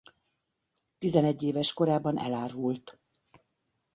Tizenegy éves korában elárvult.